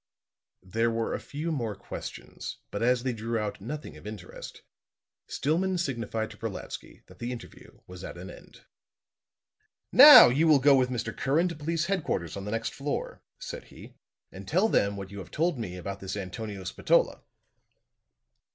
There were a few more questions, but as they drew out nothing of interest, Stillman signified to Brolatsky that the interview was at an end. "Now, you will go with Mr. Curran to police headquarters on the next floor," said he, "and tell them what you have told me about this Antonio Spatola."